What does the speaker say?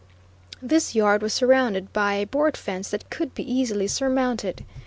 This yard was surrounded by a board fence that could be easily surmounted.